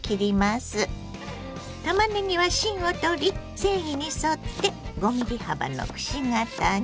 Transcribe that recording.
たまねぎは芯を取り繊維に沿って５ｍｍ幅のくし形に。